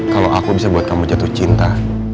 kalau aku bisa buat kamu jatuh cinta